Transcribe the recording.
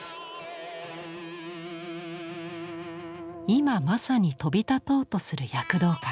今まさに飛び立とうとする躍動感